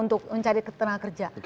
untuk mencari tenaga kerja